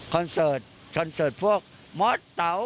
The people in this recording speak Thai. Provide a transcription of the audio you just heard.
คอนเสิร์ตคอนเสิร์ตพวกมอสเต๋า